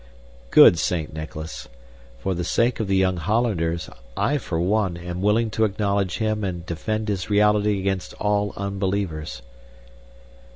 Good Saint Nicholas! For the sake of the young Hollanders, I, for one, am willing to acknowledge him and defend his reality against all unbelievers.